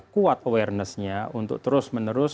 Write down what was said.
kuat awarenessnya untuk terus menerus